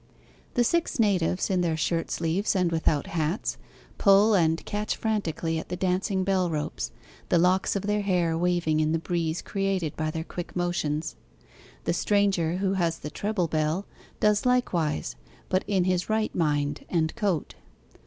The six natives in their shirt sleeves, and without hats pull and catch frantically at the dancing bellropes, the locks of their hair waving in the breeze created by their quick motions; the stranger, who has the treble bell, does likewise, but in his right mind and coat.